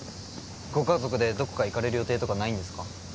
ご家族でどこか行かれる予定とかないんですか？